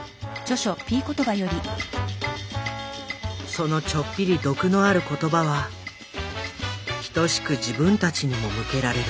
そのちょっぴり毒のある言葉はひとしく自分たちにも向けられる。